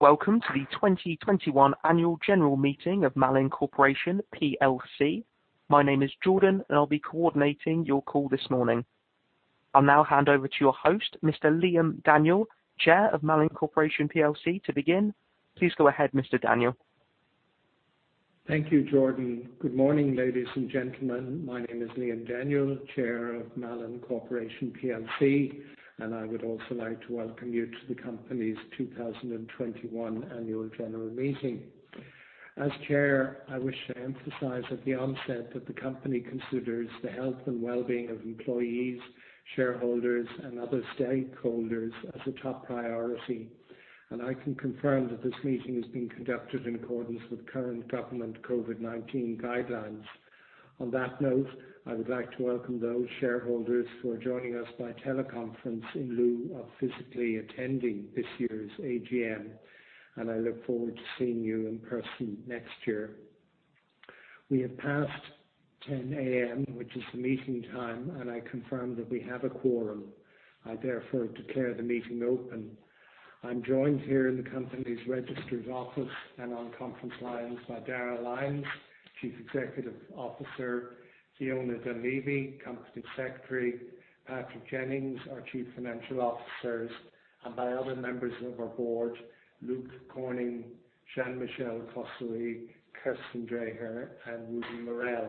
Welcome to the 2021 Annual General Meeting of Malin Corporation PLC. My name is Jordan, and I'll be coordinating your call this morning. I'll now hand over to your host, Mr. Liam Daniel, Chair of Malin Corporation PLC, to begin. Please go ahead, Mr. Daniel. Thank you, Jordan. Good morning, ladies and gentlemen. My name is Liam Daniel, Chair of Malin Corporation PLC. I would also like to welcome you to the company's 2021 Annual General Meeting. As Chair, I wish to emphasize at the onset that the company considers the health and wellbeing of employees, shareholders, and other stakeholders as a top priority. I can confirm that this meeting is being conducted in accordance with current government COVID-19 guidelines. On that note, I would like to welcome those shareholders who are joining us by teleconference in lieu of physically attending this year's AGM. I look forward to seeing you in person next year. We have passed 10:00 A.M., which is the meeting time. I confirm that we have a quorum. I therefore declare the meeting open. I'm joined here in the company's registered office and on conference lines by Darragh Lyons, Chief Executive Officer, Fiona Dunlevy, Company Secretary, Patrick Jennings, our Chief Financial Officer, and by other members of our board, Luke Corning, Jean-Michel Cosséry, Kirsten Drejer, and Rudy Mareel.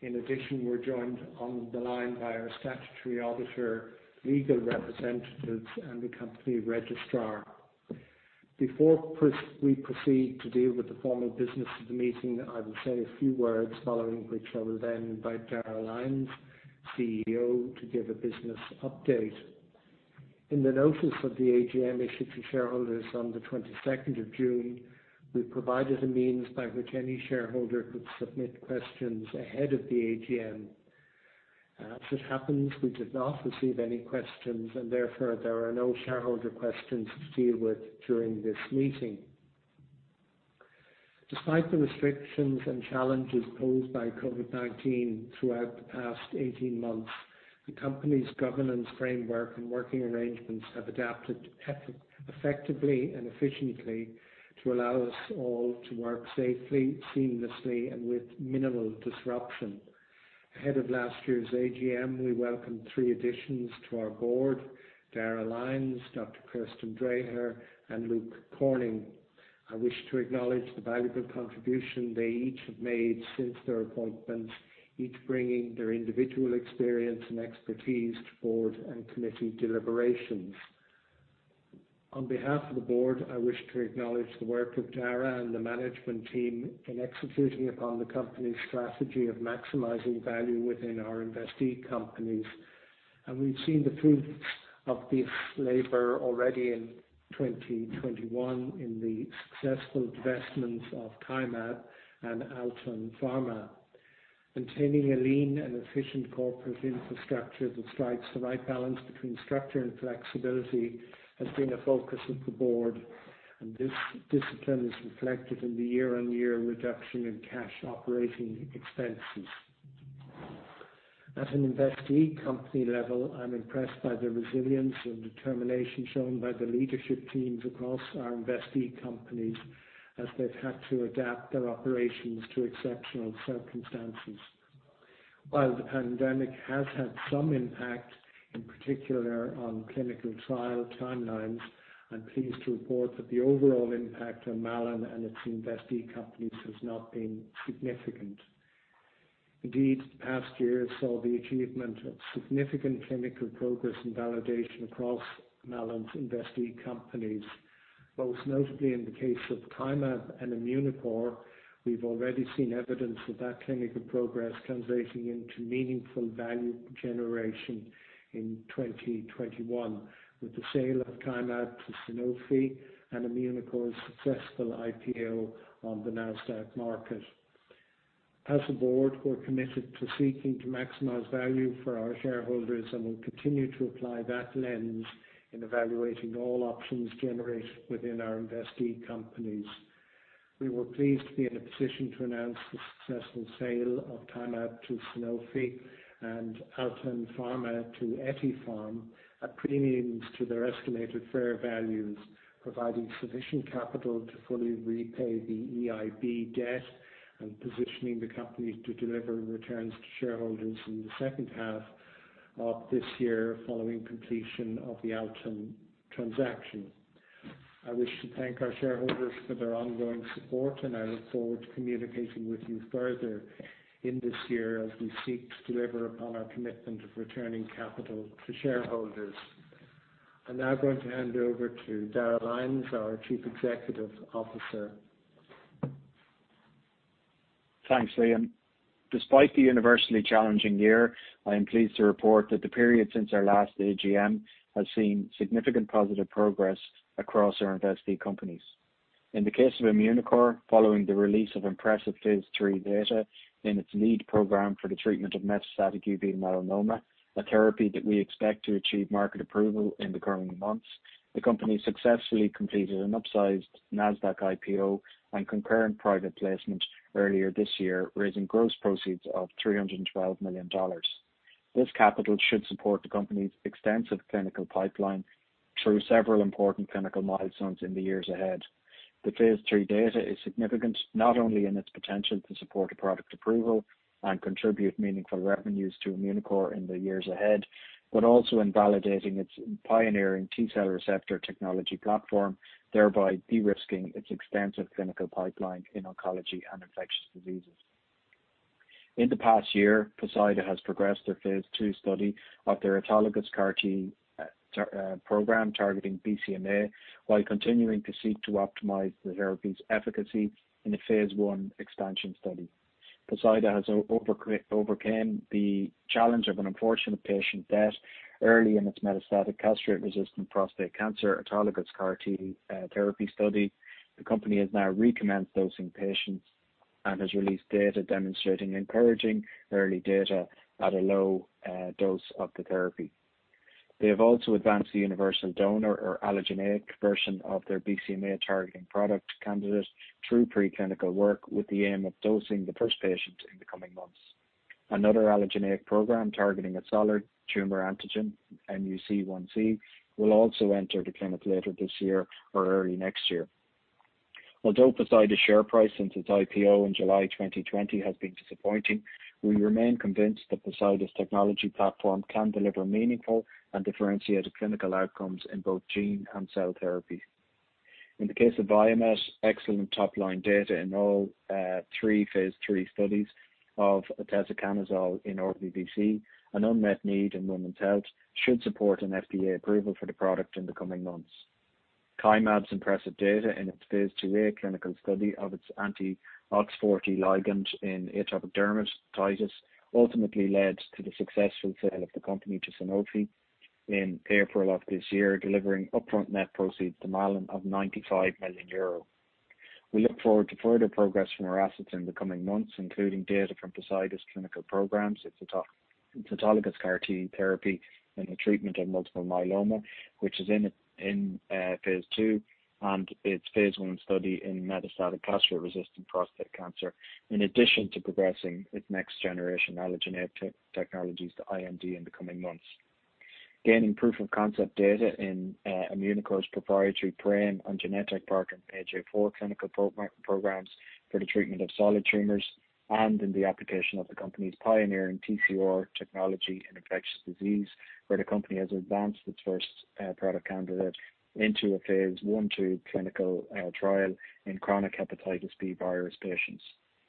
In addition, we're joined on the line by our statutory auditor, legal representatives, and the company registrar. Before we proceed to deal with the formal business of the meeting, I will say a few words, following which I will then invite Darragh Lyons, CEO, to give a business update. In the notice of the AGM issued to shareholders on the 22nd of June, we provided a means by which any shareholder could submit questions ahead of the AGM. As it happens, we did not receive any questions, and therefore, there are no shareholder questions to deal with during this meeting. Despite the restrictions and challenges posed by COVID-19 throughout the past 18 months, the company's governance framework and working arrangements have adapted effectively and efficiently to allow us all to work safely, seamlessly, and with minimal disruption. Ahead of last year's AGM, we welcomed three additions to our board, Darragh Lyons, Dr. Kirsten Drejer, and Luke Corning. I wish to acknowledge the valuable contribution they each have made since their appointments, each bringing their individual experience and expertise to board and committee deliberations. On behalf of the board, I wish to acknowledge the work of Darragh and the management team in executing upon the company's strategy of maximizing value within our investee companies. We've seen the fruits of this labor already in 2021 in the successful divestments of Kymab and Altan Pharma. Maintaining a lean and efficient corporate infrastructure that strikes the right balance between structure and flexibility has been a focus of the board. This discipline is reflected in the year-on-year reduction in cash operating expenses. At an investee company level, I'm impressed by the resilience and determination shown by the leadership teams across our investee companies as they've had to adapt their operations to exceptional circumstances. While the pandemic has had some impact, in particular on clinical trial timelines, I'm pleased to report that the overall impact on Malin and its investee companies has not been significant. Indeed, the past year saw the achievement of significant clinical progress and validation across Malin's investee companies. Most notably in the case of Kymab and Immunocore, we've already seen evidence of that clinical progress translating into meaningful value generation in 2021 with the sale of Kymab to Sanofi and Immunocore's successful IPO on the Nasdaq market. As a board, we're committed to seeking to maximize value for our shareholders and will continue to apply that lens in evaluating all options generated within our investee companies. We were pleased to be in a position to announce the successful sale of Kymab to Sanofi and Altan Pharma to Ethypharm at premiums to their estimated fair values, providing sufficient capital to fully repay the EIB debt and positioning the company to deliver returns to shareholders in the second half of this year following completion of the Altan transaction. I wish to thank our shareholders for their ongoing support, and I look forward to communicating with you further in this year as we seek to deliver upon our commitment of returning capital to shareholders. I'm now going to hand over to Darragh Lyons, our Chief Executive Officer. Thanks, Liam. Despite the universally challenging year, I am pleased to report that the period since our last AGM has seen significant positive progress across our investee companies. In the case of Immunocore, following the release of impressive phase III data in its lead program for the treatment of metastatic uveal melanoma, a therapy that we expect to achieve market approval in the coming months, the company successfully completed an upsized Nasdaq IPO and concurrent private placement earlier this year, raising gross proceeds of $312 million. This capital should support the company's extensive clinical pipeline through several important clinical milestones in the years ahead. The phase III data is significant not only in its potential to support a product approval and contribute meaningful revenues to Immunocore in the years ahead, but also in validating its pioneering T-cell receptor technology platform, thereby de-risking its extensive clinical pipeline in oncology and infectious diseases. In the past year, Poseida has progressed their phase II study of their autologous CAR-T program targeting BCMA, while continuing to seek to optimize the therapy's efficacy in a phase I expansion study. Poseida has overcame the challenge of an unfortunate patient death early in its metastatic castrate-resistant prostate cancer autologous CAR-T therapy study. The company has now recommenced dosing patients and has released data demonstrating encouraging early data at a low dose of the therapy. They have also advanced the universal donor or allogeneic version of their BCMA-targeting product candidate through preclinical work with the aim of dosing the first patient in the coming months. Another allogeneic program targeting a solid tumor antigen, MUC1C, will also enter the clinic later this year or early next year. Although Poseida's share price since its IPO in July 2020 has been disappointing, we remain convinced that Poseida's technology platform can deliver meaningful and differentiated clinical outcomes in both gene and cell therapy. In the case of Viamet, excellent top-line data in all three Phase III studies of oteseconazole in RVVC, an unmet need in women's health, should support an FDA approval for the product in the coming months. Kymab's impressive data in its Phase II-A clinical study of its anti-OX40 ligand in atopic dermatitis ultimately led to the successful sale of the company to Sanofi in April of this year, delivering upfront net proceeds to Malin of 95 million euro. We look forward to further progress from our assets in the coming months, including data from Poseida's clinical programs, its autologous CAR-T therapy in the treatment of multiple myeloma, which is in phase II, and its phase I study in metastatic castrate-resistant prostate cancer, in addition to progressing its next-generation allogeneic technologies to IND in the coming months. Gaining proof-of-concept data in Immunocore's proprietary PRAME and Genentech partnered MAGE-A4 clinical programs for the treatment of solid tumors, and in the application of the company's pioneering TCR technology in infectious disease, where the company has advanced its first product candidate into a phase I/II clinical trial in chronic hepatitis B virus patients.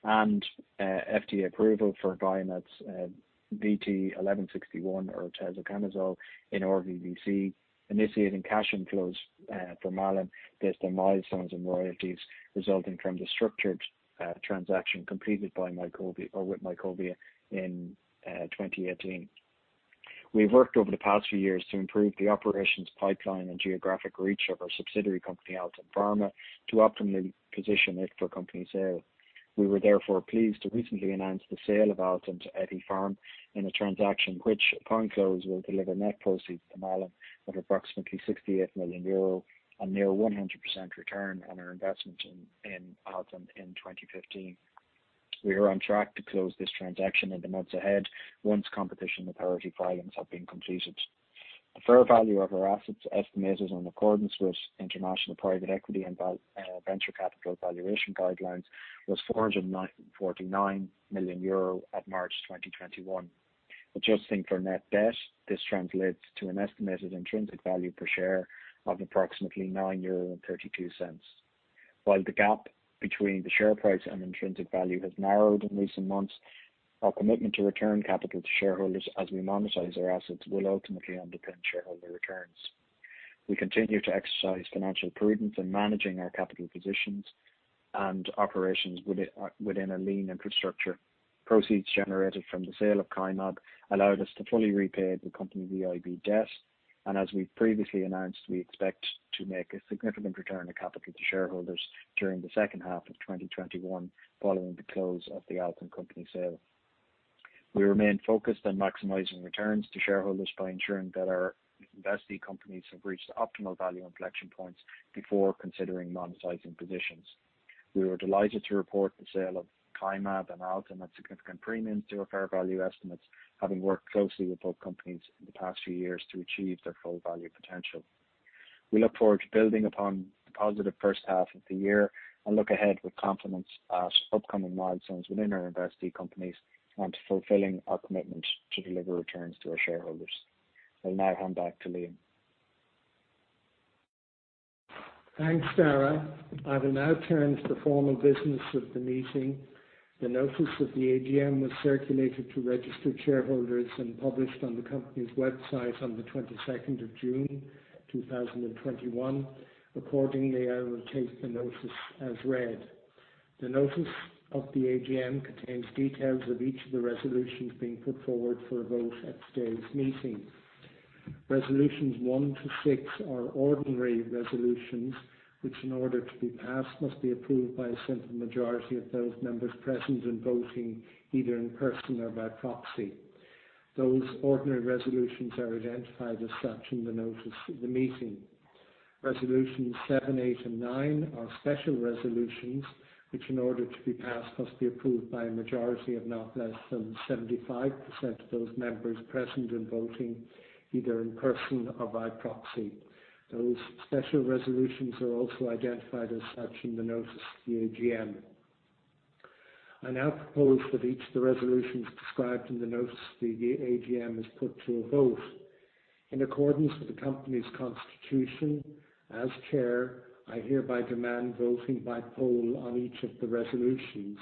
FDA approval for Viamet's VT-1161 or oteseconazole in RVVC, initiating cash inflows for Malin based on milestones and royalties resulting from the structured transaction completed with Mycovia in 2018. We've worked over the past few years to improve the operations pipeline and geographic reach of our subsidiary company, Altan Pharma, to optimally position it for company sale. We were therefore pleased to recently announce the sale of Altan to Ethypharm in a transaction which, upon close, will deliver net proceeds to Malin of approximately 68 million euro and near 100% return on our investment in Altan in 2015. We are on track to close this transaction in the months ahead once competition authority filings have been completed. The fair value of our assets estimated in accordance with international private equity and venture capital valuation guidelines was 449 million euro at March 2021. Adjusting for net debt, this translates to an estimated intrinsic value per share of approximately 9.32 euro. While the gap between the share price and intrinsic value has narrowed in recent months, our commitment to return capital to shareholders as we monetize our assets will ultimately underpin shareholder returns. We continue to exercise financial prudence in managing our capital positions and operations within a lean infrastructure. Proceeds generated from the sale of Kymab allowed us to fully repay the company EIB debt. As we previously announced, we expect to make a significant return of capital to shareholders during the second half of 2021 following the close of the Altan company sale. We remain focused on maximizing returns to shareholders by ensuring that our investee companies have reached optimal value inflection points before considering monetizing positions. We were delighted to report the sale of Kymab and Altan at significant premiums to our fair value estimates, having worked closely with both companies in the past few years to achieve their full value potential. We look forward to building upon the positive first half of the year and look ahead with confidence at upcoming milestones within our investee companies and to fulfilling our commitment to deliver returns to our shareholders. I'll now hand back to Liam. Thanks, Darragh. I will now turn to the formal business of the meeting. The notice of the AGM was circulated to registered shareholders and published on the company's website on the 22nd of June 2021. Accordingly, I will take the notice as read. The notice of the AGM contains details of each of the resolutions being put forward for a vote at today's meeting. Resolutions one to six are ordinary resolutions, which in order to be passed, must be approved by a simple majority of those members present and voting either in person or by proxy. Those ordinary resolutions are identified as such in the notice of the meeting. Resolution seven, eight, and nine are special resolutions, which in order to be passed, must be approved by a majority of not less than 75% of those members present and voting, either in person or by proxy. Those special resolutions are also identified as such in the notice of the AGM. I now propose that each of the resolutions described in the notice of the AGM is put to a vote. In accordance with the company's constitution, as Chair, I hereby demand voting by poll on each of the resolutions.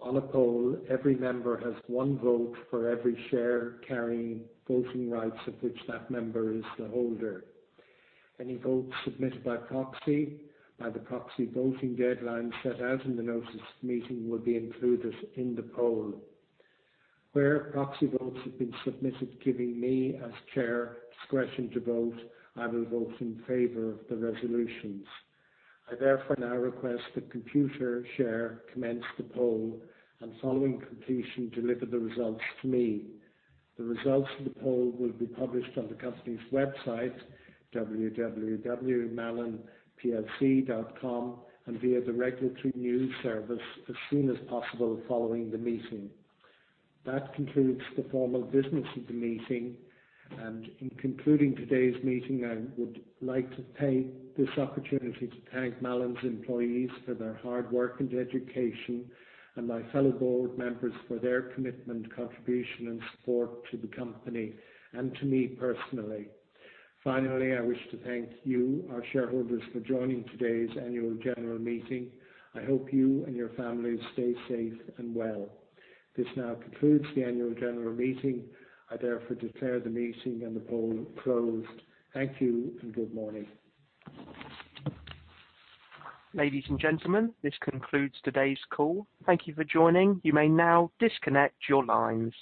On a poll, every member has one vote for every share carrying voting rights of which that member is the holder. Any votes submitted by proxy, by the proxy voting deadline set out in the notice of the meeting, will be included in the poll. Where proxy votes have been submitted giving me, as Chair, discretion to vote, I will vote in favor of the resolutions. I therefore now request that Computershare commence the poll, and following completion, deliver the results to me. The results of the poll will be published on the company's website, www.malinplc.com, and via the regulatory news service as soon as possible following the meeting. That concludes the formal business of the meeting. In concluding today's meeting, I would like to take this opportunity to thank Malin's employees for their hard work and dedication, and my fellow board members for their commitment, contribution, and support to the company and to me personally. Finally, I wish to thank you, our shareholders, for joining today's annual general meeting. I hope you and your families stay safe and well. This now concludes the annual general meeting. I therefore declare the meeting and the poll closed. Thank you and good morning. Ladies and gentlemen, this concludes today's call. Thank you for joining. You may now disconnect your lines.